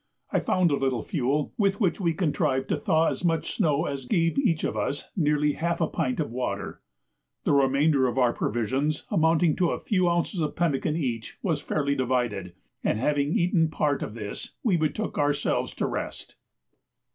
I found a little fuel, with which we contrived to thaw as much snow as gave each of us nearly half a pint of water. The remainder of our provisions, amounting to a few ounces of pemmican each, was fairly divided, and having eaten part of this we betook ourselves to rest.